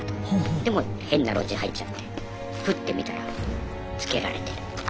でもう変な路地入っちゃってふって見たらつけられてる。